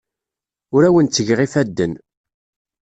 Ur awen-ttgeɣ ifadden.